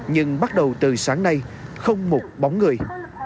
nhưng bắt đầu từ sáng nay không một bóng người